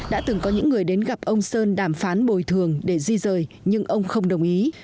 đã từng có những người đến gặp ông sơn đàm phán bồi thường để di rời nhưng ông không đồng ý